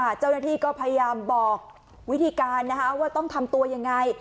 เจ้าหน้าที่ก็พยายามบอกวิธีการนะคะว่าต้องทำตัวยังไง